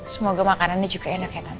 semoga makanannya juga enak ya tadi